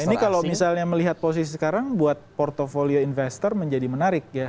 ini kalau misalnya melihat posisi sekarang buat portfolio investor menjadi menarik ya